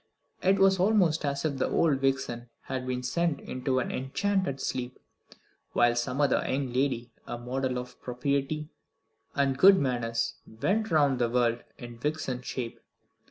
It was almost as if the old Vixen had been sent into an enchanted sleep, while some other young lady, a model of propriety and good manners, went about the world in Vixen's shape.